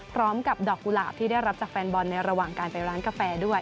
พร้อมกับดอกกุหลาบที่ได้รับจากแฟนบอลในระหว่างการไปร้านกาแฟด้วย